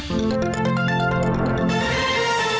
สวัสดีครับ